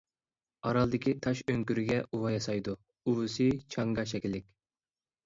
ئارالدىكى تاش ئۆڭكۈرگە ئۇۋا ياسايدۇ، ئۇۋىسى چاڭگا شەكىللىك.